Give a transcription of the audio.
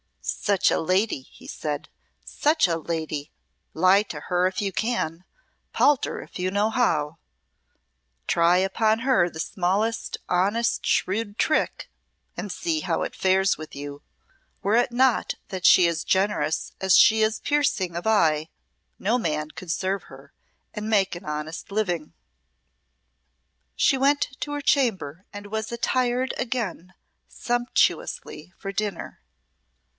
"Such a lady!" he said "such a lady! Lie to her if you can; palter if you know how; try upon her the smallest honest shrewd trick, and see how it fares with you. Were it not that she is generous as she is piercing of eye, no man could serve her and make an honest living." She went to her chamber and was attired again sumptuously for dinner.